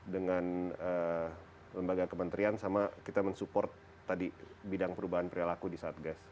dengan lembaga kementerian sama kita mensupport tadi bidang perubahan perilaku di satgas